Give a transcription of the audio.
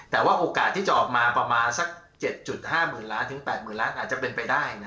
แต่ว่าโอกาสที่จะออกมาประมาณสัก๗๕๐๐๐ล้านถึง๘๐๐๐ล้านอาจจะเป็นไปได้นะ